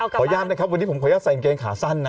ขอย่ามนะครับวันนี้ผมขอย่ามใส่เกงขาสั้นนะ